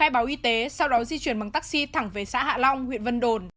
khai báo y tế sau đó di chuyển bằng taxi thẳng về xã hạ long huyện vân đồn